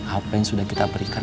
apa yang sudah kita berikan